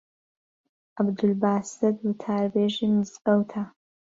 عەبدولباست وتاربێژی مزگەوتە